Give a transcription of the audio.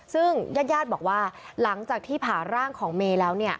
ซึ่งญาติบอกว่าหลังจากที่ผ่าร่างของเมย์แล้ว